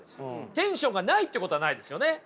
テンションがないということはないですよね。